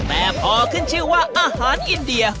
แต่พอขึ้นชื่อว่าอาหารอินเดีย